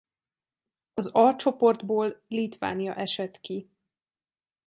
Az A csoportból Litvánia esett ki.